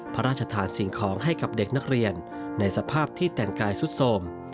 พระราชทานสิ่งของให้กับเด็กนักเรียนในสภาพที่แต่งกายสุดโสม